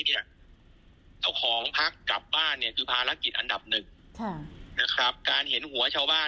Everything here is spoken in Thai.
สาของพักฯกลับบ้านคือภารกิจอันดับหนึ่ง